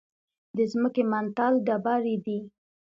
د ځمکې منتل ډبرې دي.